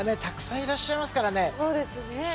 たくさんいらっしゃいますからね。